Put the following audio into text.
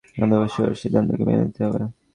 আমাদের অবশ্যই ওর সিদ্ধান্তকে মেনে নিতে হবে।